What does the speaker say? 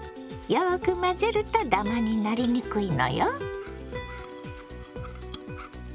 よく混ぜるとダマになりにくいのよ。